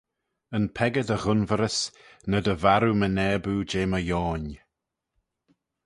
Yn peccah dy ghunverys, ny dy varroo my naboo jeh my yoin.